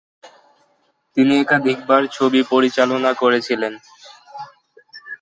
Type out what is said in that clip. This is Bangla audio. তিনি একাধিক ছবি পরিচালনা করেছিলেন।